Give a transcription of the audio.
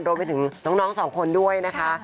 รวมไปถึงน้องสองคนด้วยนะคะ